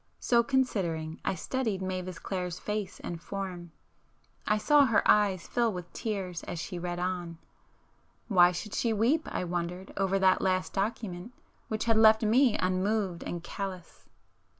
So considering, I studied Mavis Clare's face and form,—I saw her eyes fill with tears as she read on;—why should she weep, I wondered, over that 'last document' which had left me unmoved and callous?